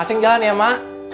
acing jalan ya ma